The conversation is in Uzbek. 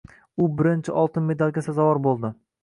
U birinchi oltin medalga sazovor bo‘ldi. d